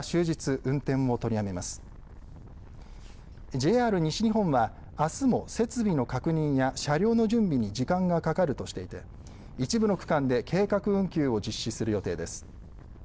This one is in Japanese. ＪＲ西日本はあすも設備の確認や車両の準備に時間がかかるとしていて一部の区間で計画運休を実施する予定です。